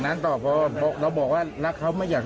ไม่เที่ยวก็ไม่ได้ตั้งใจ